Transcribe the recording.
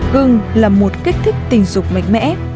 gừng là một kích thích tình dục mạnh mẽ